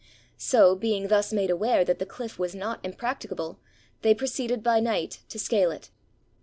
So, being thus made aware that the cliff was not impracticable, they proceeded by night to scale it.